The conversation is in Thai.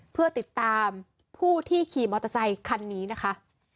เพื่อติดตามผู้ที่ขี่มอเตอร์ไซคันนี้นะคะ